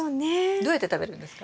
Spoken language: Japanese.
どうやって食べるんですか？